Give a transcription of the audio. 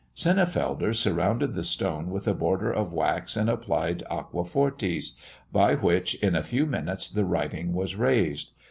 Sennefelder surrounded the stone with a border of wax, and applied aquafortis, by which in a few minutes the writing was raised.